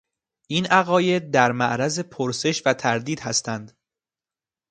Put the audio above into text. این عقاید در معرض پرسش و تردید هستند.